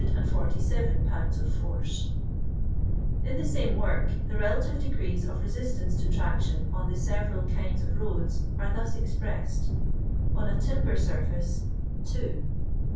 . 33 46 05 147 In the same work the relative degrees of resist ance to traction on the several kinds of roads are thus expressed :— On a timber surface ••...•.